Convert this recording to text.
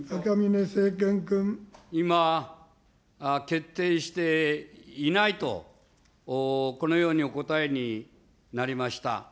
今、決定していないと、このようにお答えになりました。